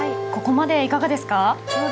ここまでいかがですか。